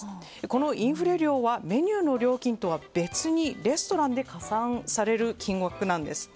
このインフレ料はメニューの料金とは別にレストランで加算される金額なんです。